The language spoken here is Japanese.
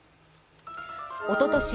おととし